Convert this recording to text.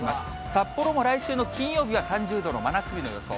札幌も来週の金曜日は３０度の真夏日の予想。